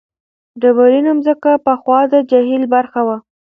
ډبرینه ځمکه پخوا د جهیل برخه وه.